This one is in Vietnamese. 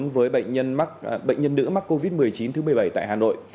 với bệnh nhân nữ mắc covid một mươi chín thứ một mươi bảy tại hà nội